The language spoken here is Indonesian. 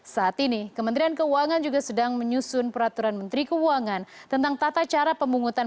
saat ini kementerian keuangan juga sedang menyusun peraturan menteri keuangan tentang tata cara pemungutan